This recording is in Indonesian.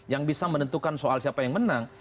yang bisa menentukan soal siapa yang menang